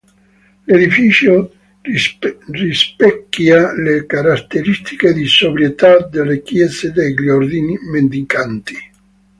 L'edificio rispecchia le caratteristiche di sobrietà delle chiese degli ordini mendicanti.